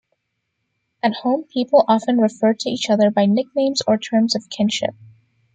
At home people often refer to each other by nicknames or terms of kinship.